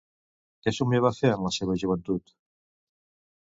Què somiava fer en la seva joventut?